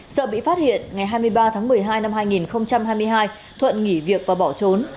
sợ bị phát hiện ngày hai mươi ba tháng một mươi hai năm hai nghìn hai mươi hai thuận nghỉ việc và bỏ trốn